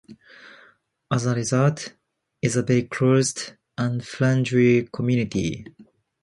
As a result, is a very close and friendly community.